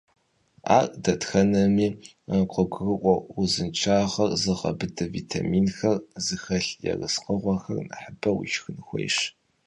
Ар дэтхэнэми къыгурыӏуэу, узыншагъэр зыгъэбыдэ витаминхэр зыхэлъ ерыскъыгъуэхэр нэхъыбэу ишхын хуейщ.